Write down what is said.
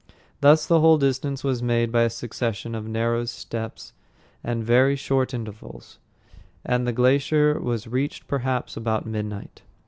Thus the whole distance was made by a succession of narrow steps at very short intervals, and the glacier was reached perhaps about midnight.